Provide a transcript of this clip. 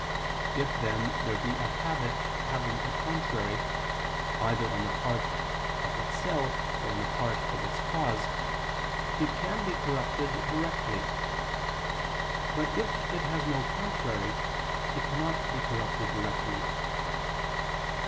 If then there be a habit having a contrary, either on the part of itself or on the part of its cause, it can be corrupted directly: but if it has no contrary, it cannot be corrupted directly.